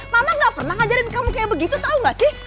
mama gak pernah ngajarin kamu kayak begitu tau gak sih